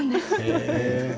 へえ。